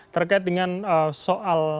terkait dengan soal